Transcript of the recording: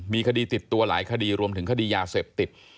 มีคดีติดตัวหลายคดีรวมถึงคดียาเสพติด